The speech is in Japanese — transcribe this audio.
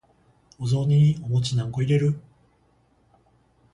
お雑煮にお餅何個入れる？